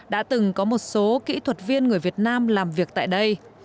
đã từng có một số kỹ thuật viên người việt nam làm việc tại đây